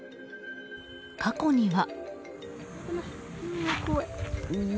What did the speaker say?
過去には。